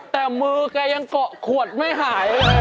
แต่มือแกยังเกาะขวดไม่หาย